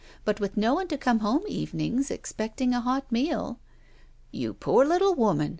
But with no one to come home evenings expecting a hot meal —"You poor little woman